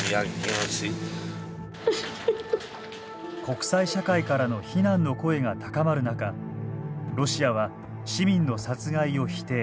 国際社会からの非難の声が高まる中ロシアは市民の殺害を否定。